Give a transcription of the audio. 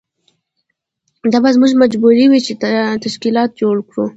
دا به زموږ مجبوري وي چې تشکیلات جوړ کړو.